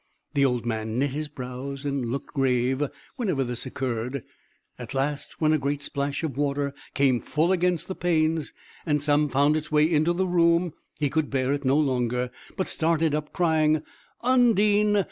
The old man knit his brows and looked grave whenever this occurred; at last, when a great splash of water came full against the panes, and some found its way into the room, he could bear it no longer, but started up, crying, "Undine!